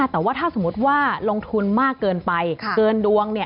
แต่ว่าถ้าสมมุติว่าลงทุนมากเกินไปเกินดวง